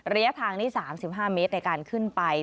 ระยะทางนี้๓๕เมตรในการขึ้นไป